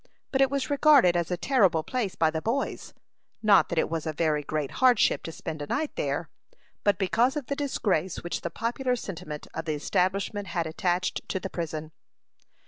But it was regarded as a terrible place by the boys; not that it was a very great hardship to spend a night there, but because of the disgrace which the popular sentiment of the establishment had attached to the prison.